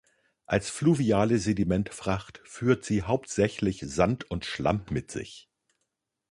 Als fluviale Sedimentfracht führt sie hauptsächlich Sand und Schlamm mit sich.